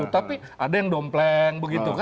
tapi ada yang dompleng